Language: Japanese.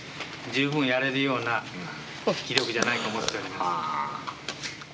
十分やれるような棋力じゃないかと思っております。